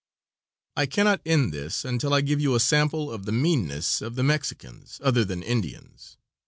I cannot end this until I give you a sample of the meanness of the Mexicans, other than Indians.